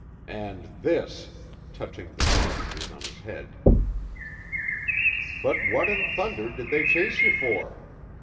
"And this," touching the bandages on his head. "But what in thunder did they chase you for?"